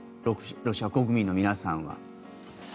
ロシア国民の皆さんは。